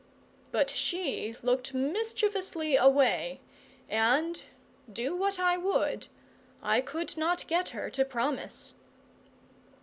But she looked mischievously away, and do what I would I could not get her to promise.